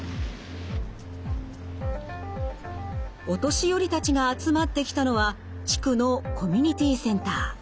お年寄りたちが集まってきたのは地区のコミュニティーセンター。